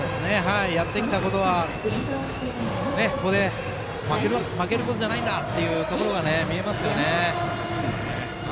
やってきたことはここで負けることじゃないんだというところが見えますよね。